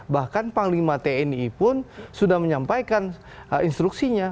bahkan panglima tni pun sudah menyampaikan instruksinya